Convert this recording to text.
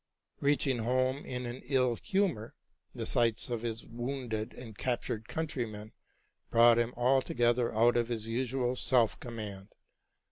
Reaching home in an ill humor, the sight of his wounded and captured countrymen brought him altogether out of his usual self command.